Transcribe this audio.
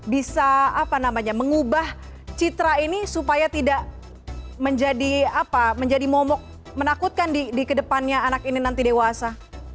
bisa apa namanya mengubah citra ini supaya tidak menjadi momok menakutkan di kedepannya anak ini nanti dewasa